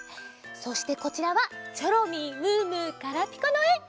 そしてこちらはチョロミームームーガラピコのえ！